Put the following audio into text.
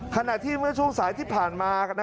ขณะที่เมื่อช่วงสายที่ผ่านมา